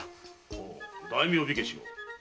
ほう大名火消しを？